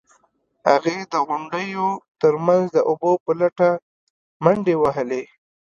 هغې د غونډیو ترمنځ د اوبو په لټه منډې وهلې.